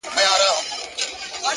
بيا خپه يم مرور دي اموخته کړم ـ